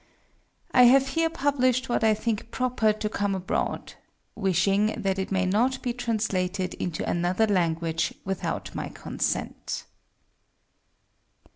I have here publish'd what I think proper to come abroad, wishing that it may not be translated into another Language without my Consent.